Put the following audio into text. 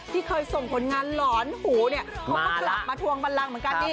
ที่เคยส่งผลงานหลอนหูเนี่ยเขาก็กลับมาทวงบันลังเหมือนกันนี่